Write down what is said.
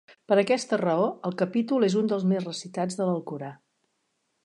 Per aquesta raó, el capítol és un dels més recitats de l'Alcorà.